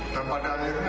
dan pada akhirnya